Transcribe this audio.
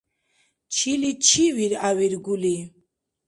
Чили чи виргӏявиргули?